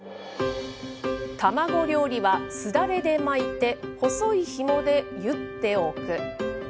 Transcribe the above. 卵料理はすだれで巻いて細いひもで結っておく。